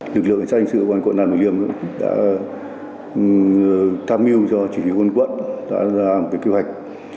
lực lượng hình sách hình sự của quận hai bà trưng đã tham mưu cho chỉ huy quân quận đã ra một kế hoạch